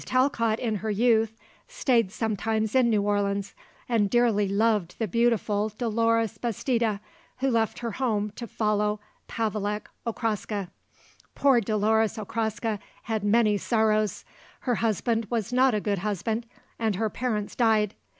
Talcott, in her youth, stayed sometimes in New Orleans, and dearly loved the beautiful Dolores Bastida who left her home to follow Pavelek Okraska. Poor Dolores Okraska had many sorrows. Her husband was not a good husband and her parents died.